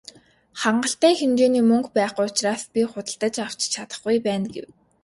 "Хангалттай хэмжээний мөнгө байхгүй учраас би худалдаж авч чадахгүй байна" гэв.